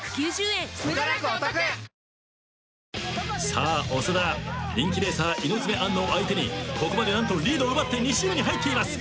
さあ長田人気レーサー猪爪杏奈を相手にここまでなんとリードを奪って２周目に入っています。